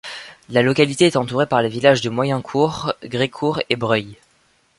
La localité est entourée par les villages de Moyencourt, Grécourt et Breuil.